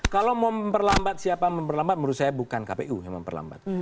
kalau mau memperlambat siapa memperlambat menurut saya bukan kpu yang memperlambat